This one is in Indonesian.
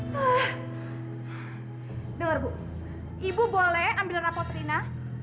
dengar bu ibu boleh ambil rapat rina